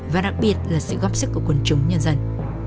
và đặc biệt là sự góp sức của quần chúng nhân dân